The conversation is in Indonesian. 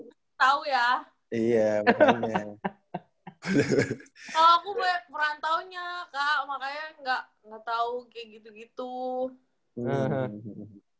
kalau aku merantaunya kak makanya nggak tahu kayak gitu gitu